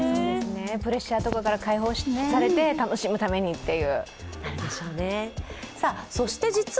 プレッシャーとかから解放されて、楽しむためにという。